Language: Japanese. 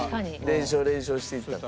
連勝連勝していったら。